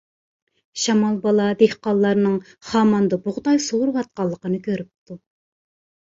شامال بالا دېھقانلارنىڭ خاماندا بۇغداي سورۇۋاتقانلىقىنى كۆرۈپتۇ.